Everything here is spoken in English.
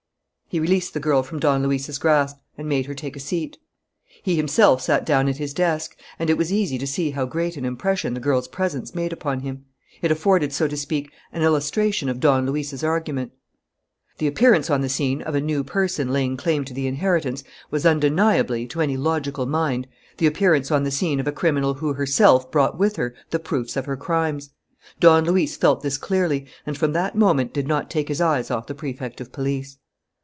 He released the girl from Don Luis's grasp and made her take a seat. He himself sat down at his desk; and it was easy to see how great an impression the girl's presence made upon him. It afforded so to speak an illustration of Don Luis's argument. The appearance on the scene of a new person, laying claim to the inheritance, was undeniably, to any logical mind, the appearance on the scene of a criminal who herself brought with her the proofs of her crimes. Don Luis felt this clearly and, from that moment, did not take his eyes off the Prefect of Police.